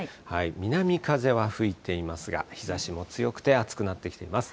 南風は吹いていますが、日ざしも強くて、暑くなってきています。